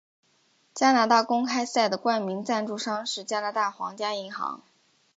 加拿大公开赛的冠名赞助商是加拿大皇家银行。